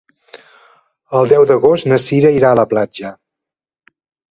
El deu d'agost na Cira irà a la platja.